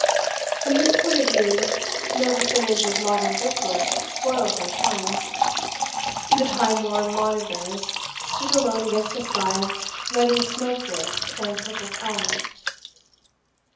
From this point of view no vicinage of modern brickwork spoilt their charm; the time worn monitors stood alone against a sky of ruddy smoke drift and purple cloud.